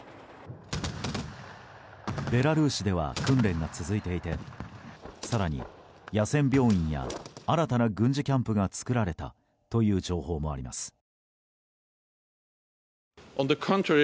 ベラルーシでは訓練が続いていて更に野戦病院や新たな軍事キャンプが作られたという情報もあります。